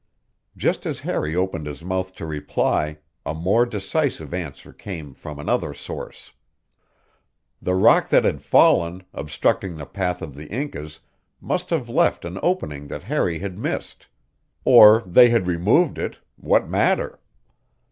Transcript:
Just as Harry opened his mouth to reply a more decisive answer came from another source. The rock that had fallen, obstructing the path of the Incas, must have left an opening that Harry had missed; or they had removed it what matter?